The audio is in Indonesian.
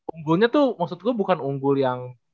unggulnya tuh maksud gua bukan unggul yang